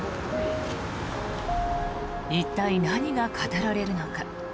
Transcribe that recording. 一体、何が語られるのか。